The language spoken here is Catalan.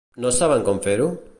No saben com fer-ho?